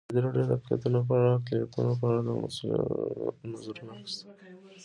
ازادي راډیو د اقلیتونه په اړه د مسؤلینو نظرونه اخیستي.